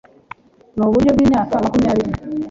Nuburyo bwimyaka makumyabiri